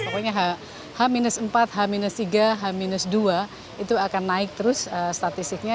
pokoknya h empat h tiga h dua itu akan naik terus statistiknya